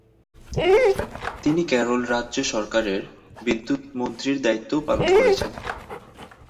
তিনি কেরল রাজ্য সরকারের বিদ্যুৎ মন্ত্রীর দায়িত্বও পালন করেছেন।